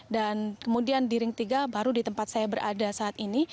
dan kemudian di ring tiga baru di tempat saya berada saat ini